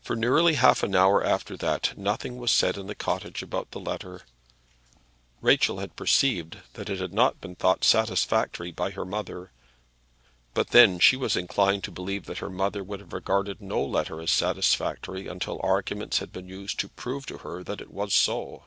For nearly half an hour after that nothing was said in the cottage about the letter. Rachel had perceived that it had not been thought satisfactory by her mother; but then she was inclined to believe that her mother would have regarded no letter as satisfactory until arguments had been used to prove to her that it was so.